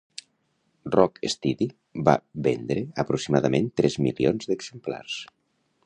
"Rock Steady" va vendre aproximadament tres milions d'exemplars.